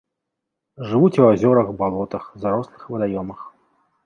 Жывуць у азёрах, балотах, зарослых вадаёмах.